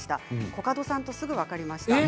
コカドさんとすぐ分かりました。